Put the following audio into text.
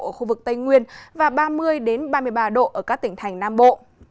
ở khu vực tây nguyên và ba mươi ba mươi ba độ ở các tỉnh thành nam bộ